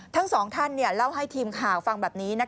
ทั้งสองท่านเล่าให้ทีมข่าวฟังแบบนี้